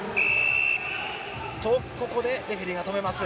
ここでレフェリーが止めます。